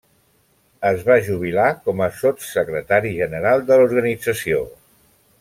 Es va jubilar com a sotssecretari general de l'organització.